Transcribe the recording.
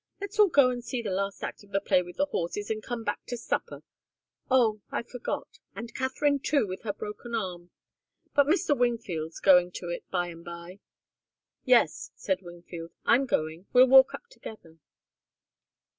Let's all go and see the last act of the play with the horses, and come back to supper! Oh I forgot and Katharine, too, with her broken arm. But Mr. Wingfield's going to it by and by." "Yes," said Wingfield. "I'm going. We'll walk up together."